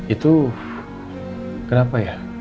itu kenapa ya